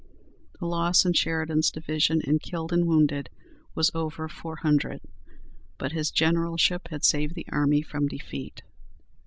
The loss in Sheridan's division in killed and wounded was over four hundred, but his generalship had saved the army from defeat."